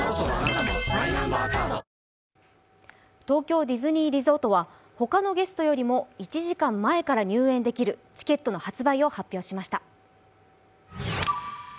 東京ディズニーリゾートは他のゲストよりも１時間前から入園できるチケットの発売を決定しました。